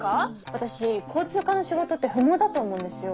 私交通課の仕事って不毛だと思うんですよ。